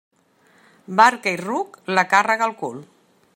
Barca i ruc, la càrrega al cul.